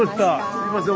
すみません